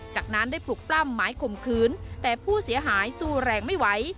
จากนั้นได้ปลุกปล้ำหมายข่มขืนแต่ผู้เสียหายสู้แรงไม่ไหว